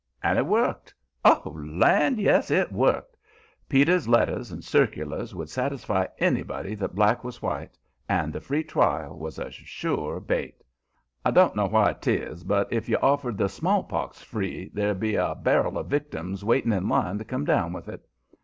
And it worked oh, land, yes! it worked. Peter's letters and circulars would satisfy anybody that black was white, and the free trial was a sure bait. I don't know why 'tis, but if you offered the smallpox free, there'd be a barrel of victims waiting in line to come down with it.